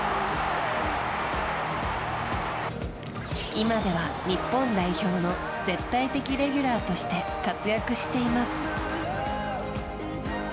今では、日本代表の絶対的レギュラーとして活躍しています。